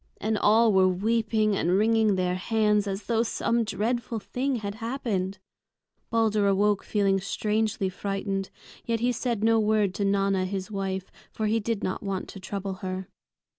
And all were weeping and wringing their hands as though some dreadful thing had happened. Balder awoke feeling strangely frightened, yet he said no word to Nanna his wife, for he did not want to trouble her.